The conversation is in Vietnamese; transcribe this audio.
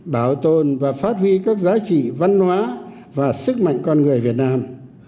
bảo tồn và phát huy các giá trị văn hóa và sức mạnh con người việt nam